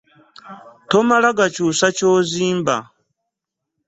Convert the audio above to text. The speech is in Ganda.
Tomala gakyusa kyozimba.